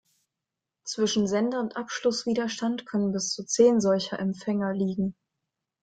Zwischen Sender und Abschlusswiderstand können bis zu zehn solcher Empfänger liegen.